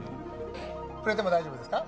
触れても大丈夫ですか？